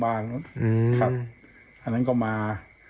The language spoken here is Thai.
อันนั้นก็มา